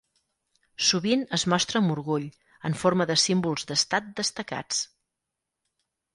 Sovint es mostra amb orgull, en forma de símbols d'estat destacats.